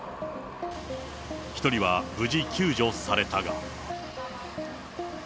１人は無事救助されたが。